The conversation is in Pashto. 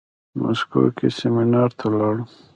مسکو کې سيمينار ته لاړم.